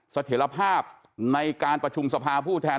เสถียรภาพในการประชุมสภาผู้แทน